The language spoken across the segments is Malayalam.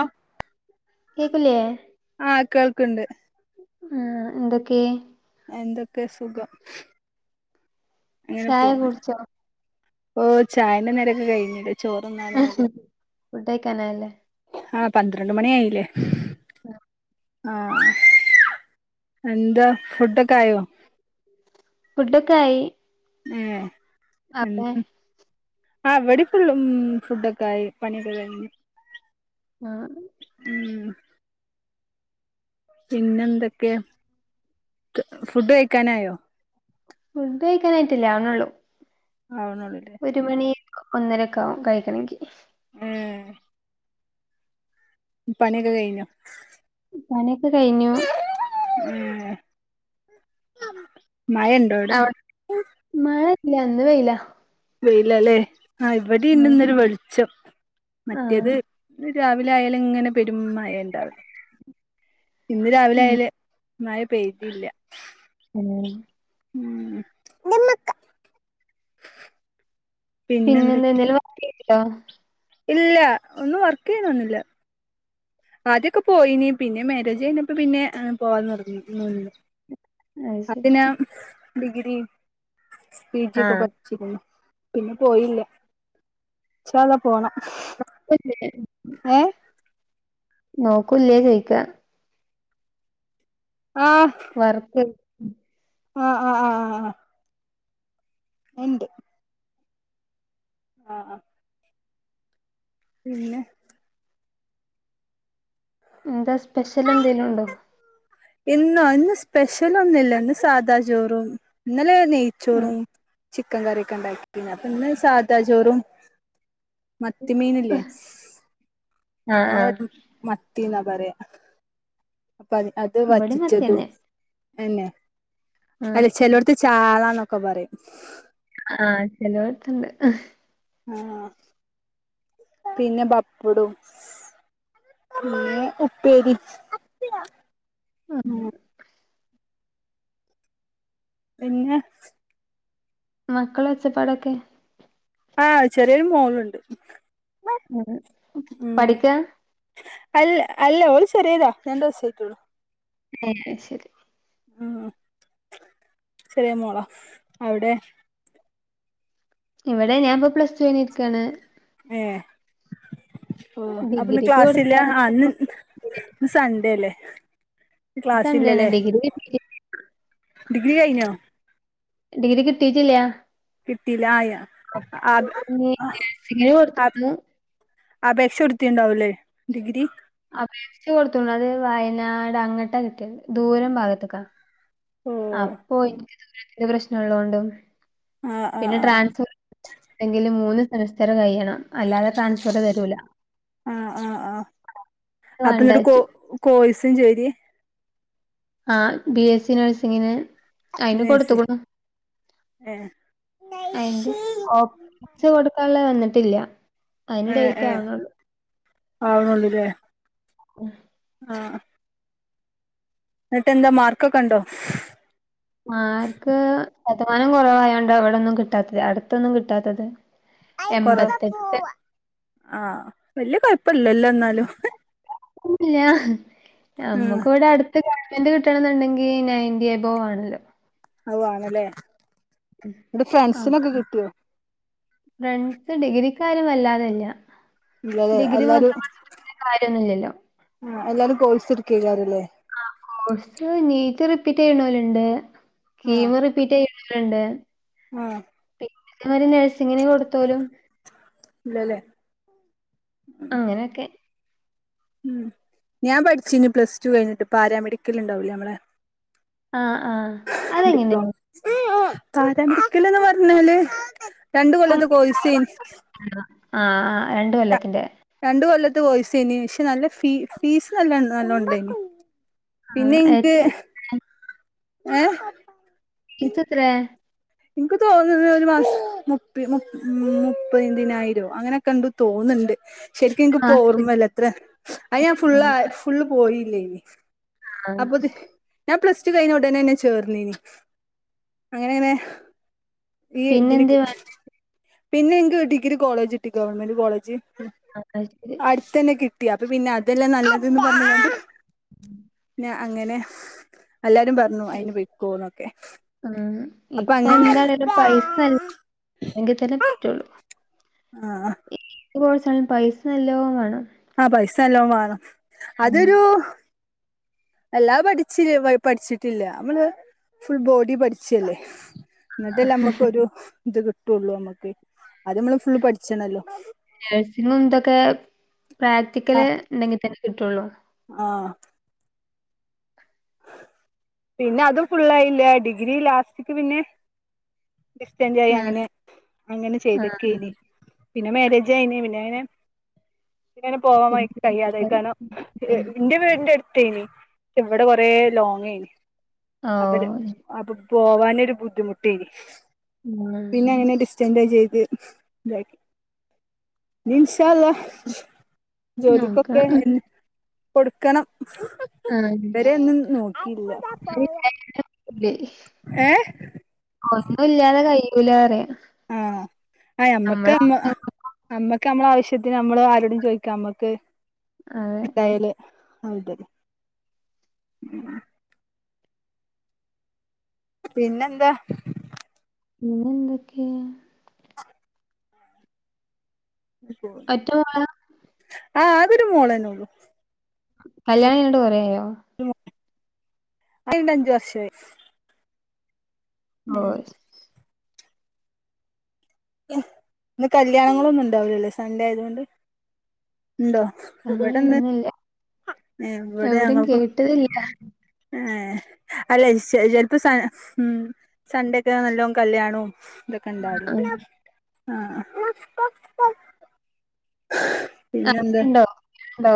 ആഹ് കേക്കല ആഹ കേൾക്കണ്ട് മം എന്തൊക്കെ? എന്തൊക്കെ സുഖം ചായ അങ്ങനെപോ കുടിച്ചോ ഓ ചായെന്റെ നേരൊക്കെ കഴിഞ്ഞിട് ഫുഡയ്ക്കാനയില്ലേ? ആഹ് പന്ത്രണ്ട് മണി ആയില്ലേ? ആഹ് ആഹ് എന്താ ഫുഡൊക്കെ ആയോ? ഫുഡൊക്കെ ആയി ഏ അവിടെ ഉ ആഹ് വെടെ ഫുള്ളുംഫുഡ ഒക്കെ ആയി പണിയൊക്കെ കഴിഞ്ഞ് ആ ണ് ഉം പിന്നെന്തൊക്കെ ഫുഡ് കഴിക്കാനായോ ഫുഡ് കഴിക്കാനായിയിട്ടല്ല അവ്ണൊള്ളൂ ആണോള്ളുലേ ഒരു മണി ഒന്നരക്കെ ആകും കഴിക്കണെങ്കിൽ ഏഹ് പണിയൊക്കെ കഴിഞ്ഞൊ പണിയൊക്കെ കഴിഞ്ഞു ഉ മായ അടെ മഴ ഇല്ല ഇന്ന് വെയില വെയിലല്ലേ ആ ഇവിടെ ഇണ്ട് ഇന്നൊരു വെളിച്ചം ആ ആ മറ്റേത് രാവിലെ ആയാല് ഇങ്ങനെ പെരുംമഴ ഉണ്ടാവല് ഇന്ന് രാവിലെ അയല് മഴ പെയ്തില്ല ഉ ഉം നിമ്മക്ക പിന്നെ എന്ത എന്തൊലും വർക്ക് ചെയ്യ്ണ്ടൊ ഇല്ല ഒന്നും വർക്ക് ചെയ്യുന്നൊന്നില്ല ആദ്യൊക്കെ പോയിനി പിന്നെ മാരേജ് കയിഞപ്പം പിന്നെ പോവാന്ന് അത് ശരി അപ്പിന്ന ഡിഗ്രി പി ആ ജിക്കെ പിന്നെ പോയില്ല ഇൻഷ അള്ളാ പോണം [unintelligible] ഏ നോക്കുല്ലേ ചൊയിക്ക ആ വർക്ക് ആ ആ ആ ആ ആ ഇണ്ട് ആ ആ പിന്നെ എന്താ സ്പെഷ്യൽ എന്തെങ്കലും ഉണ്ടോ ഇന്നോ ഇന്ന് സ്പെഷ്യലൊന്നുല്ല ഇന്ന് സാദാ ചോറും ഇന്നലെ ആ നെയ്ച്ചോറും ചിക്കൻ കറിക്കെ ഉണ്ടാക്കി അപ്പ ഇന്ന്ന് സാദാ ചോറും മത്തിമീന ഇല്ലേ ആ ആ ഞങ്ങളെവെട മത്തി ന്നാ പറയാ അപ്പ അത് ഇവിടേം വറ്റിച്ചതും മത്തിയന്നെ എന്നന്നെ ആ അല്ലെ ചെല്ലോടത്ത് ചാളന്നൊക്കെ പറയും ആഹ് ചെലവടത്തുണ്ട് ആ പിന്നെ ബപ്പടും പിന്നെ ഉപ്പേരി പിന്നെ മക്കൾ ഒച്ചപ്പാടൊക്കെ ആഹ് ചെറിയൊരു മോളുണ്ട് ഉം ഉ പഠിക്കാ അല്ല അല്ല ഓള് ചറിയതാ രണ്ട് സയിട്ടുള്ളൂ ഒക്കെ ശരി ഉ ചെറിയേ മോളോ അവിടെ ഇവിടെ ഞാൻ ഇപ്പൊ പ്ലസ് ടു കൈഞ്ഞിരിക്കയാണ് ഏ ഓ അപ്പൊന്ന് ഡിഗ്രിക്ക് ക്ലാസ്ല്ല്ല ഇന്ന് കൊടുത്തായിരുന്നു ഇന്ന് സൺഡേല്ലേ സൺഡേണ് ക്ലാസ്ല്ലല്ലേ ഡിഗ്രി കിട്ടി ഡിഗ്രി കഴിഞ്ഞോ ഡിഗ്രി കിട്ടീട്ട്ല്ലാ കിട്ടിയില്ല ആയ നഴ്സിങ്ങിന് ആ കൊട്ത്ണ് അപേക്ഷ എടുത്തിുണ്ടാവലേ ഡിഗ്രി അപേിച്ചച്ച് കൊടുത്ത അത് വയനാട് അങ്ങട്ട കിട്ടിയ ദൂരം ഭാഗത്തൊക്കെ ഓ അപ്പൊ എനിക്ക് ദൂരത്തിന്റെ പ്രശ്ന ഉള്ളൊണ്ടണ്ട് ആ ആ പിന്നെ ആ ട്രാൻസ്ഫർ എങ്കില് മൂന്ന് സെമസ്റ്റർ കഴിയണം അല്ലാതെ ട്രാൻസ്ഫർ തരൂല ആഹ് ആഹ് ആഹ് അത് അപ്പൊ ന്നട്ട് കോ വേണ്ടാച്ചു കോഴ്സും ചെയ്ത്? ആഹ് ബി എസ് സി നഴ്സിംഗിന് അയിന് നേഴ്സ് കൊടുത്ത്ക്ക്ണു ഏ അയിന്റെ കുച്ച് കൊടുക്കാള്ള വന്നിട്ടില്ല അതിന് എ ഡേറ്റ് എഹ് ആവണുള്ളൂ. ആവ്ണൊള്ളൂല്ലേ ആഹ് ന്നിട്ടെന്താ മാർക്കൊക്കെ ഇണ്ടോ? മാർക്ക് ശതമാനം കുറവായോണ്ടോ അവിടെൊന്നും കിട്ടാത്തത് അടുത്തൊന്നും കിട്ടാത്തത് കൊറ ആഹ് വല്യ കൊഴപ്പല്ലല്ല ന്നാലും ക്കുല്ല ഉം നമ്മക്ക് ഇവിടെ അടു ത്ത് ഗവൺമന്റ് കിട്ടണന്നേണ്ടെങ്കി നയന്റി എഭവ് വേണല്ലോ അത് വാണല്ലേ ന്റെ ആഹ് ഫ്രണ്ട്സിനൊക്കെ കിട്ടിയോ? ഫ്രണ്ട്സ് ഡിഗ്രിക്കാര് വല്ലാതല്ല ഇല്ലല്ലേ ഡിഗ്രി എല്ലാരും മാത്രം പഠിച്ചിട്ട് വല്യ കാര്യൊന്നുല്ലല്ലോ ആഹ് എല്ലാരും കോയ്സ് ഇട്ക്കേക്കാല്ലാരല്ലേ ആഹ് കോഴ്സ് നീറ്റ് റിപ്പീറ്റ് ചെയ്യ്ണോല്ണ്ട് കീമ് റിപ്പീ പ്പിറ്റെയ്ണോല്ണ്ട് ആഹ് പിന്നെ ഇതേ പൊലെ നഴ്സിങ്ങിനന് കൊടുത്തലും ഇല്ലല്ലേ അങ്ങനെക്കെ ഉം ഞാൻ പഠിച്ചിനി പ്ലസ് ടു കഴിഞ്ഞിട്ട് പാരാമെഡിക്കൽ ഉണ്ടാവുല്ലേ നമ്മളെ ആഹ് ആഹ്. അതെങ്ങനെ? ഡിപ്ലോ പരാ മെഡിക്കല്ന്ന് പറഞ്ഞാല് രണ്ടു കൊല്ലത്തെ കോയിസേയ്നി ആഹ് ആഹ് രണ്ട് കൊല്ലത്തിന്റെ രണ്ട് കൊല്ലത്തെ കോയിസേനി പക്ഷെ നല്ല ഫീ ഫീസ് നല്ല നല്ല ഉണ്ടായിനി ആ പിന്നെ ഇൻക്ക് ഏഹ് ഫ്സെത്രേ ഇൻക്ക് തോന്നുണെ ഒരു മാസം മുപ്പി മുപ്പതിനായിരോ അങ്ങനെക്കെ ഇണ്ട് തോന്ന്ണ്ട് ശരിക്ക് ഇൻക്ക് ആ പോർമ്മല്ല എത്ര അത് ഞാൻ ഫുള് ഫുള്ള് പോയില്ലേയ്നി അപ്പൊത് ഞാൻ പ്ലസ് ടു കഴിഞ്ഞ ഉടനെന്നെ ചേർന്നനി അങ്ങനെണ് ഈ ഇതി പിന്നെന്തേ ആ ശരി പിന്നെന്ത് വേണം? പിന്നെ ഇൻക് ഡിഗ്രി കോളേജ് കിട്ടി ഗവൺമെന്റ് കോളേജ് ആകശത്ത്ല് അടുത്തന്നെ കിട്ടി അപ്പ പിന്നെ അതെല്ലറ നല്ലത്ന്ന് പറഞ്ഞ്ങ്ങാണ്ട് ഉം അ അങ്ങനെ എല്ലാരും പറഞ്ഞു അയിന് പൊയ്ക്കോന്നൊക്കെ ഉം അപ്പൊ ഇപ്പ അങ്ങനെ എന്താണ പൈസല്ലങ്കിൽ തന്നെ പറ്റുള്ളു ആഹ് ഏത് കോയ്സായാലും പൈസ നല്ലോ വാണം ആഹ് പൈസ നല്ലോ വേണം ഉം അതൊരു എല്ലാ പഠിച്ച് പഠിച്ചിട്ടില്ല നമ്മള് ഫുൾ ബോഡി പഠിച്ചല്ലേ എന്നിട്ടല്ല നമ്മുക്കൊരു ഇത് കിട്ടുള്ളൂ നമ്മക്ക് അത് നമ്മള് ഫുള്ള് പഠിച്ച്ണല്ലോ നഴ്സിങ്ങും ഇതൊക്കെ ആ പ്രാക്ടിക്കല് ഉണ്ടെങ്കിൽ തന്നെ കിട്ടുള്ളൂ ആഹ് പിന്നെ അത് ഫുള്ളായില്ല ഡിഗ്രി ലാസ്റ്റ്ക്ക് പിന്നെ ഡിസ്ചാഞ്ച് ആയി ആ അങ്ങനെ അങ്ങനെ ആ ചെയ്തെക്കെയ്നി പിന്നെ മാരേജയിഞ്ഞ് പിന്നെ അങ്ങനെ ങ്ങനെ പോവാൻ [unintelligible] പിന്നെ കയ്യാതെ കിട്ടിയാല് ആയിക്കാനു ഉം. ഇന്റെ വീടിന്റെ അടുത്തേനി പക്ഷ ഇവിടെ കുറേ ലോങയിനി ഓ അ അപ്പൊ പോവാനൊരു ബുദ്ധിമുട്ടെനി ഉം. പിന്നെ എങ്ങനെ ഡിസ് സ്റ്റന്റയ് ചെയ്ത് താക്കി ഞ് ഇൻഷാ അള്ളാ ജോലിക്കൊക്കെ നോക്കണം എൻ കൊടുക്കണം ആ ഇതുവരെ ഒന്നും നോക്കില്ല ഏഹ് ഒന്നും ഇല്ലാതെ കയ്യീലാന്ന് അറിയാം ആഹ് ആഹ് അമ്മക്ക് ങ് അമ്മക്ക് അമ്മളെ ആവശ്യത്തിന് നമ്മള് ആരോടും ചോയ്ക്കാ അമ്മക്ക് അതെ ഇങ്ങിയല് [unintelligible] മം പിന്നെന്താ? പിന്നെ എന്തൊക്കെയാ [inaudible] അ ഒറ്റ മോളാ ആഹ് അതൊരു മോളേന്നെ ഉള്ളു കല്യാണം കഴിഞ്ഞിട്ട് കൊറേ ആയോ [unintelligible] അഞ്ച് വർഷവായി [inaudible] ഇന്ന് കല്യാണങ്ങളൊന്നും ഇണ്ടാവുലല്ലേ സൺഡേ ആയതുകൊണ്ട് ഉണ്ടോ അങ്ങനെണെന്നുല്ല ഏഹ് വടെ ഞങ്ങൾകൊ ആഹ് അല്ലെ [unintelligible] സണ്ടൊക്കെ നല്ലോ കല്യാണവും ഇതൊക്കെ ആഹ് ഇണ്ടാറുണ്ട് ആ [unintelligible] അവിടിണ്ടോ ണ്ടോ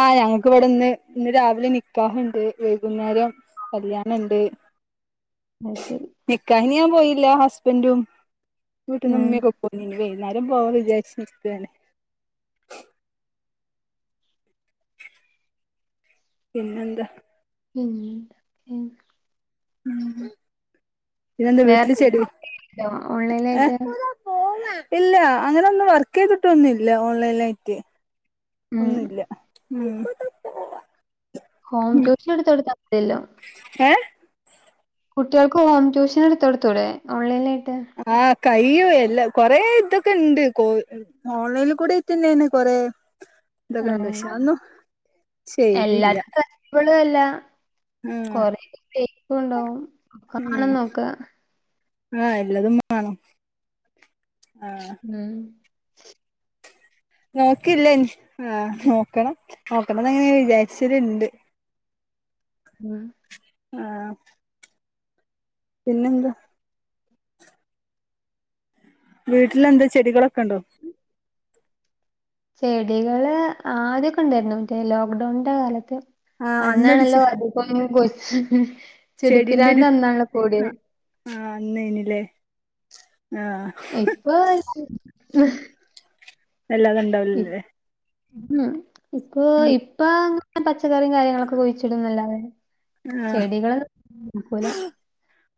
ആഹ് ഞങ്ങക്ക് ഇവിടെ ന്ന് ഇന്ന് രാവിലെ നിക്കാഹ്ണ്ട് വൈകുന്നേരം കല്യാണണ്ട് അത്ശരി നിക്കാഹിന് ഞാൻ പോയില്ല ഹസ്ബൻറും വീട്ട്ന്ന് ആഹ് ഇമ്മക്ക പോ വൈന്നേരം പോക വിചാര്ച്ച് നിക്കാണ് പിന്നെന്താ ഉം ഉം പിന്നെന്താ വേറെ വീട്ടില് ചെടി ഏ ഓൺലൈനായിട്ട് ഇല്ല അങ്ങനെന്നും വർക്കെയ്തിട്ടൊന്നും ല്ല ഓൺലൈനായിട്ട് ഉം ഒന്നുല്ല ഉം ഹോം ട്യൂഷൻ എടുത്ത് കൊടുത്താതിയല്ലോ ഏഹ് കുട്ടികൾക്ക് ഹോം ട്യൂഷൻ എടുത്തു കൊടുത്തൂടെ ഓൺലൈനായിട്ട് ആഹ് കയ്യും എല്ലാം കൊറേ ഇതൊക്കെ ഉണ്ട് കോ ഓൺലൈനിൽ കൂടി ഇട്ടന്ന കൊറേ ഇതൊക്കെ ഇണ്ട് പക്ഷെ അതൊന്നു എല്ലാരും ഗ്രസ്റ്റബുളല്ല ആ കൊറെേ ഫേക്കുണ്ടാവും അതു മാണ നോക്ക ആഹ് എല്ലതും വണം ആഹ് ഉം നോക്കില്ലന്ന് ആഹ് നോക്കണം നോക്കണംന്ന്ങ്ങനെ വിചാരിച്ചല്ണ്ട്. [unintelligible] ആഹ് പിന്നെന്താ? വീട്ടിലെന്താ ചെടികളൊക്കെ ഉണ്ടോ ചെടികള് ആദ്യൊക്കെ ഉണ്ടായിരുന്നു മറ്റേ ലോക്ക്ഡൗണിന്റെ കാലത്ത് ആ അന്നൊരു അന്നാണല്ലോ [unintelligible] ചെടീന്റെ ഒരു അന്നാണല്ലോ കൂടിയത് ആഹ് ആഹ് അന്നയിനീല്ലേ ആഹ് ഇപ്പം വല്ലാതെ ഉണ്ടാവലില്ലേ ഉം ഇപ്പൊ ഇപ്പ ഇങ്ങനെ പച്ചക്കറിയും കാര്യങ്ങളൊക്കെ കുഴിച്ചിടുന്നല്ലാതെ ആ ചെടികള് വെക്കൂല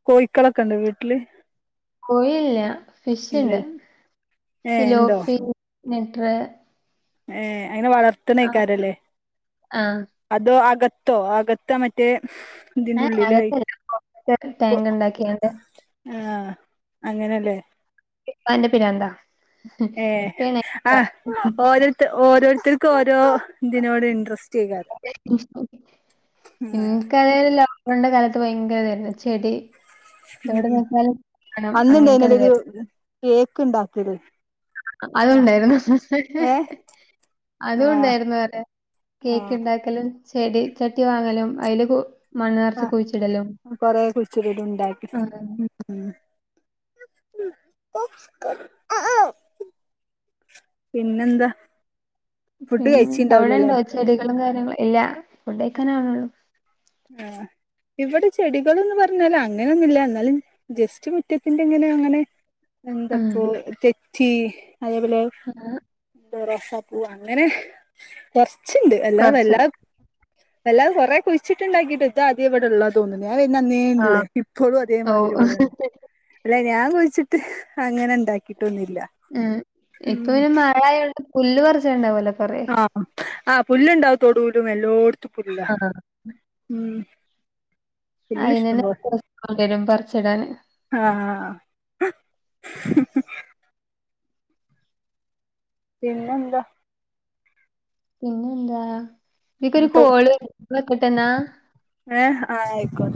കോഴിക്കളൊക്കെ ഉണ്ടോ വീട്ടില് കോയില്ല ഫിഷുണ്ട് ഇല്ലല്ലേ ഏ ഉണ്ടോ സിലോഫി നിട്ടറ് ഏഹ് അയിനെ വളർത്തണേക്കാരല്ലേ ആഹ് അതോ ആകത്തോ അകത്ത് മറ്റേ ഇതിന്റെ ഏഹ് ഉള്ളിലായി അകത്തെ [unintelligible] ടാങ്ക് ഉണ്ടാക്കിയുണ്ട് ആഹ് അങ്ങനാല്ലേ ഇപ്പം അയിന്റെ പിരാന്താ ഏഹ് പിണ ആഹ് ഓരോരുത്ത ഓരോരുത്തർക്കും ഓരോ ഇതിനോട് ഇൻട്രസ്റ്റ് ആയിക്കാരം [unintelligible] പണ്ട് കാലത്ത് ഭയങ്കര ഇതായിരുന്നു ചെടി എവിടെ ഉംഹ് നോക്കിയാലും വേണം അങ്ങനത്തെ അന്നുണ്ടായിനൊരു ഒരിതായിരുന്നു. കേക്ക് ഉണ്ടാക്കല് അതും ആ ഉണ്ടായിരുന്നു ഏ ആ അതും ഉണ്ടായിരുന്നോ അവടെ ആ കേക്ക് ഉണ്ടാക്കല് ചെടി ചട്ടി വാങ്ങലും അതില് കു മണ്ണ് നെറച്ച് കുഴിച്ചിടലും. ആഹ് കൊറേ കൊറച്ചു ചെടി ഉണ്ടാക്കി ആഹ്. ഉംഹ് പിന്നെ എന്താ ഫുഡ് പിന്നെ കഴിച്ചിണ്ടാവില്ലല്ലേ അവിടെണ്ടോ ചെടികളും കാര്യങ്ങളും ഇല്ല ഫുഡ് കയിക്കണേയുള്ളൂ. ആഹ് ഇവിടെ ചെടികൾ എന്ന് പറഞ്ഞാല് അങ്ങനെയൊന്നുമില്ല എന്നാലും ജസ്റ്റ് മുറ്റത്തിന്റെ ഇങ്ങനെ അങ്ങനെ ആഹ്. എന്താപ്പോ തെച്ചി അതേപോലെ ആഹ് റോസാപ്പൂ അങ്ങനെ കൊറച്ചുണ്ട് അല്ലാതെ കൊറച്ച് എല്ലാ എല്ലാം കുറെ കുഴിച്ചിട്ടുണ്ടാക്കിട്ട് ഇത് ആകെ ഇവിടെ ഉള്ള ആഹ്. [unintelligible] ഇപ്പോഴും അതേമാതിരി ഓഹ്. വര. അല്ല ഞാൻ കുഴിച്ചിട്ട് അങ്ങനെ ഇണ്ടാക്കിട്ടൊന്നുമില്ല ഉം ഇപ്പൊ പിന്നെ മഴയായതോണ്ട് പുല്ല് പറിച്ചിണ്ടാവൂലോ കുറെ. ആഹ് ആഹ് പുല്ലുണ്ട് തോടീല് എല്ലോടത്തും പുല്ലാ ആഹ്. ഉംഹ് [unintelligible] വരും പറിച്ചിടാന് ആഹ് പിന്നെന്താ പിന്നെന്താ ഇിക്കൊരു തോ കോള് വെക്കട്ടന്നാ ഏ ആ ആയിക്കോ